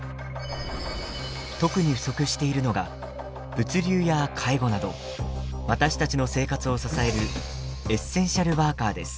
特に不足しているのが物流や介護など私たちの生活を支えるエッセンシャルワーカーです。